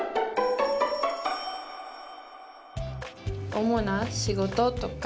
主な仕事とか。